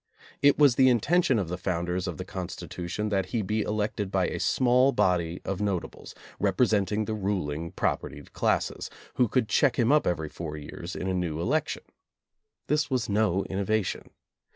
It was the intention of the founders of the Constitution that he be elected by a small body of notables, rep resenting the ruling propertied classes, who could check him up every four years in a new election. This was no innovation.